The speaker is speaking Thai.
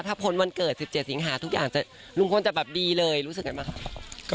ถ้าพ้นวันเกิดสิบเจียสิงหาส์ทุกอย่างจะลุงพลจะแบบดีเลยรู้สึกไงมั้ยครับ